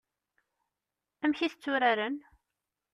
Amek i t-tturaren?